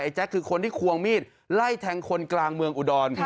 แจ๊คคือคนที่ควงมีดไล่แทงคนกลางเมืองอุดร